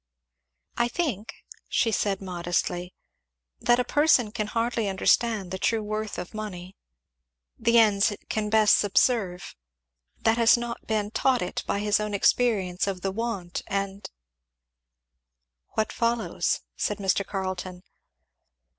"I think," she said modestly, "that a person can hardly understand the true worth of money, the ends it can best subserve, that has not been taught it by his own experience of the want; and " "What follows?" said Mr. Carleton.